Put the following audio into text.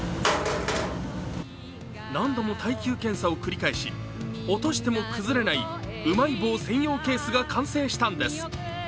何度も耐久検査を繰り返し、落としても崩れないうまい棒専用ケースが完成したんです。